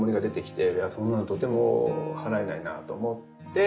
いやそんなのとても払えないなと思って。